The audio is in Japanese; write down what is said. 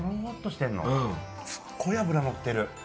すごい脂乗ってる。